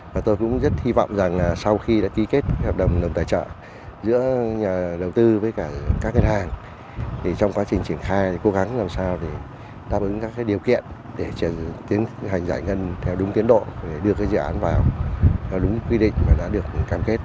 và tôi cũng rất hy vọng rằng sau khi đã ký kết hợp đồng tài trợ giữa nhà đầu tư với cả các ngân hàng thì trong quá trình triển khai cố gắng làm sao để đáp ứng các điều kiện để tiến hành giải ngân theo đúng tiến độ để đưa dự án vào đúng quy định và đã được cam kết